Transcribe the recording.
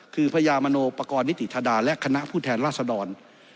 คือพญามโนปกรณ์นิติธดาและคณะผู้แทนราษดร